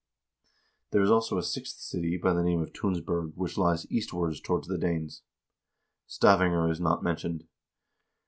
There is also a sixth city by the name of Tunsberg, which lies east ward towards the Danes." Stavanger is not mentioned.